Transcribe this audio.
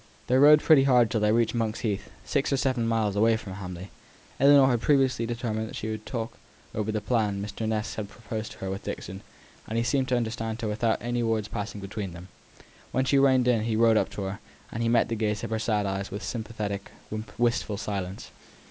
They rode pretty hard till they reached Monk's Heath, six or seven miles away from Hamley. Ellinor had previously determined that here she would talk over the plan Mr. Ness had proposed to her with Dixon, and he seemed to understand her without any words passing between them. When she reined in he rode up to her, and met the gaze of her sad eyes with sympathetic, wistful silence.